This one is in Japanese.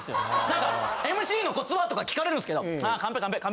なんかＭＣのコツは？とか聞かれるんですけど。